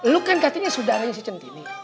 lu kan katanya saudaranya si centini